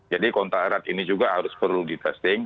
jadi kontak erat ini juga harus perlu di testing